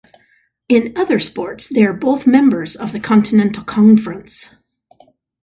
In other sports they are both members of the Centennial Conference.